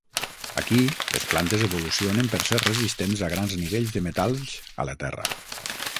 Aquí, les plantes evolucionen per ser resistents a grans nivells de metalls a la terra.